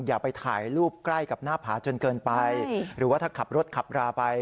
อย่าไปถ่ายรูปใกล้กับหน้าผาจนเกินไปหรือว่าถ้าขับรถขับราไป